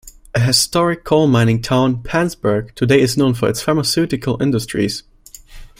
A historic coal mining town, Penzberg today is known for its pharmaceutical industries.